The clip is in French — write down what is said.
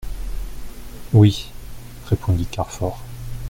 Oui, répondit Carfor.